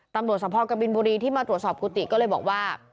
ตำรวจสภกบินบุรีที่มาตรวจสอบกุฏิก็เลยบอกว่า